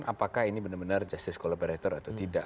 apakah ini benar benar justice collaborator atau tidak